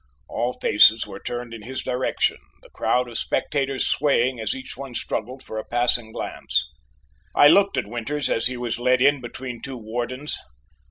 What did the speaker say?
All faces were turned in his direction: the crowd of spectators swaying as each one struggled for a passing glance. I looked at Winters as he was led in between two wardens.